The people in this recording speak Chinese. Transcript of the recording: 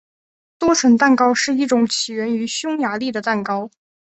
多层蛋糕是一种起源于匈牙利的蛋糕。